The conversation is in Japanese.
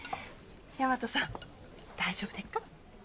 大和さん大丈夫でっか？